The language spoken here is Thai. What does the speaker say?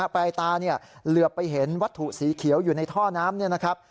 ปลายตาเหลือไปเห็นวัตถุสีเขียวอยู่ในท่อน้ำ